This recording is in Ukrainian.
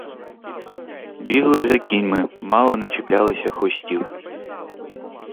Бігли за кіньми, мало не чіплялися хвостів.